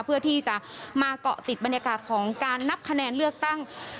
เพื่อที่จะมาเกาะติดบรรยากาศของการนับคะแนนเลือกตั้ง